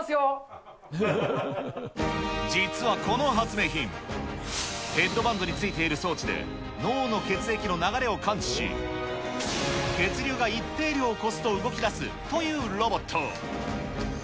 実はこの発明品、ヘッドバンドについている装置で、脳の血液の流れを感知し、血流が一定量を超すと動きだすというロボット。